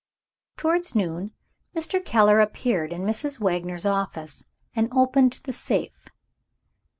Towards noon, Mr. Keller appeared in Mrs. Wagner's office, and opened the safe.